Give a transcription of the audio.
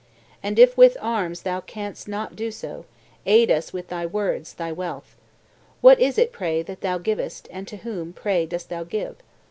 And if with arms thou canst not do so, aid us with thy words, thy wealth. What is it, pray, that thou givest, and to whom, pray, dost thou give?